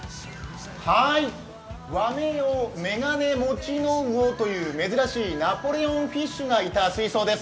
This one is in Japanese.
和名をメガネモチノウオという珍しいナポレオンフィッシュがいた水槽です。